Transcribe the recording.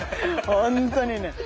本当にね。